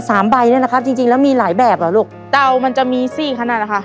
สามใบเนี้ยนะครับจริงจริงแล้วมีหลายแบบเหรอลูกเตามันจะมีสี่ขนาดนะคะ